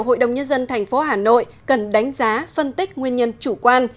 hội đồng nhân dân tp hà nội cần đánh giá phân tích nguyên nhân chủ quan